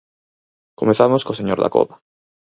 Comezamos co señor Dacova.